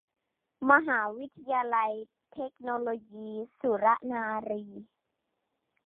มหาวิทยาลัยเทคโนโลยีสุรนารี